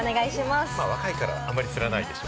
若いから、あんまりつらないでしょ？